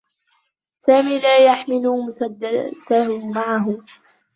سامي لا يحمل مسدّسه معه.